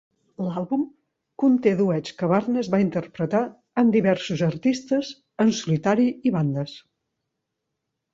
L'àlbum conté duets que Barnes va interpretar amb diversos artistes en solitari i bandes.